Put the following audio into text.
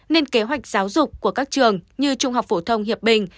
nên kế hoạch giáo dục của các trường như trung học phổ thông hiệp bình